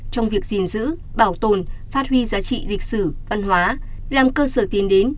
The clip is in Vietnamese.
trong việc gìn giữ bảo tồn phát huy giá trị lịch sử văn hóa làm cơ sở tiến đến